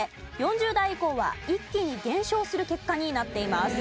４０代以降は一気に減少する結果になっています。